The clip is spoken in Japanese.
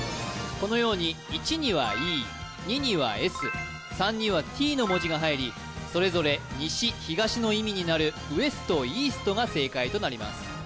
このように１には「Ｅ」２には「Ｓ」３には「Ｔ」の文字が入りそれぞれ西東の意味になるＷＥＳＴＥＡＳＴが正解となります